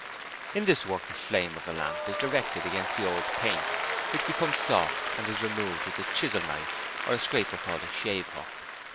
In this work the flame of the lamp is directed against the old paint, which becomes soft and is removed with a chisel knife, or a scraper called a shavehook.